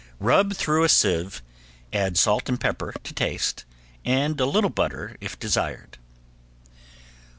Rub through a sieve, add salt and pepper to taste, and a little butter if desired.